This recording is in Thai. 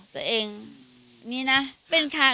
ตัวเองนี่นะ